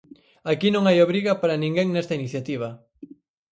Aquí non hai obriga para ninguén nesta iniciativa.